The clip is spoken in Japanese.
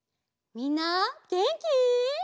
みんなげんき？